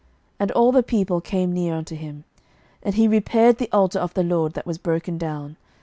And all the people came near unto him. And he repaired the altar of the LORD that was broken down.